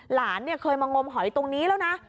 หลานเนี่ยเคยมางมหอยตรงนี้แล้วนะ